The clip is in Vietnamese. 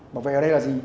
bảo vệ ở đây là gì